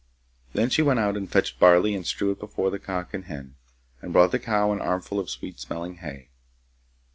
Then she went out and fetched barley and strewed it before the cock and hen, and brought the cow an armful of sweet smelling hay.